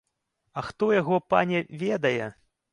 А хто яго, пане, ведае.